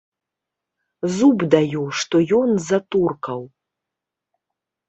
Зуб даю, што ён за туркаў!